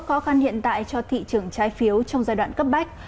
khó khăn hiện tại cho thị trường trái phiếu trong giai đoạn cấp bách